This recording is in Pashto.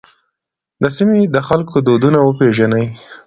د سیمې د خلکو دودونه وپېژنئ.